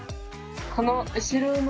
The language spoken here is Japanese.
この後ろの。